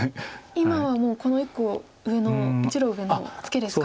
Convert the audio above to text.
今はもうこの１個上の１路上のツケですか。